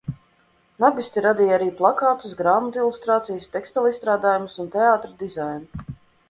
Nabisti radīja arī plakātus, grāmatu ilustrācijas, tekstilizstrādājumus un teātra dizainu.